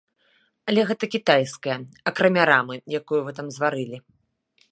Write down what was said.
Але гэта кітайскае, акрамя рамы, якую вы там зварылі.